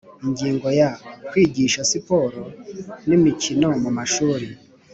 Ingingo ya Kwigisha siporo n’ imikino mumashuri